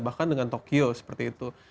bahkan dengan tokyo seperti itu